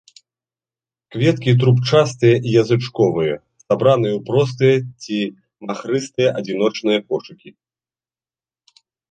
Кветкі трубчастыя і язычковыя, сабраныя ў простыя ці махрыстыя адзіночныя кошыкі.